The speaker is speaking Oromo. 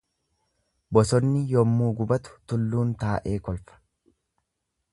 Bosonni yammuu gubatu tulluun taa'ee kolfa.